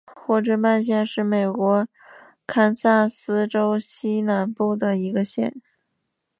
霍治曼县是美国堪萨斯州西南部的一个县。